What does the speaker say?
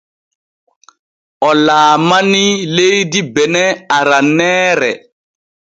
O laalanii leydi bene aranneere.